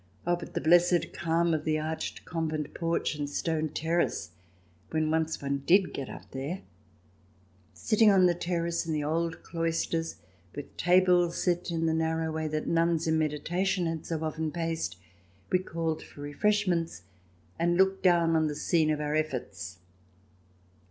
Oh, but the blessed calm of the arched convent porch and stone terrace when once one did get up there! Sitting on the terrace, in the old cloisters with tables set in the narrow way that nuns in meditation had so often paced, we called for refresh ments, and looked down on the scene of our efforts.